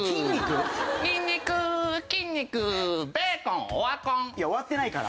「ニンニク筋肉」「ベーコンオワコン」いや終わってないから。